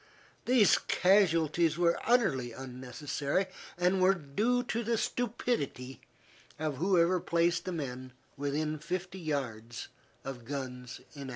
These casualties were utterly unnecessary and were due to the stupidity of whoever placed the men within fifty yards of guns in action.